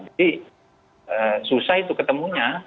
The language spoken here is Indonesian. jadi susah itu ketemunya